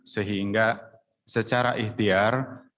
sehingga secara ihtiar